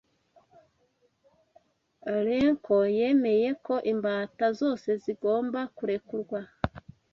Lincoln yemeye ko imbata zose zigomba kurekurwa.